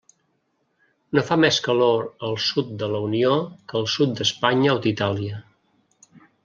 No fa més calor al sud de la Unió que al sud d'Espanya o d'Itàlia.